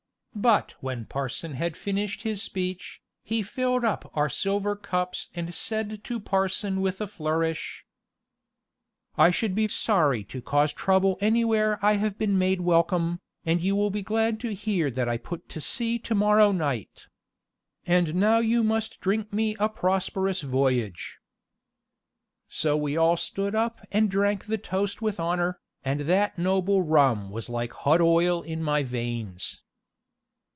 But when parson had finished his speech, he filled up our silver cups and said to parson with a flourish: "I should be sorry to cause trouble anywhere where I have been made welcome, and you will be glad to hear that I put to sea to morrow night. And now you must drink me a prosperous voyage." So we all stood up and drank the toast with honor, and that noble rum was like hot oil in my veins.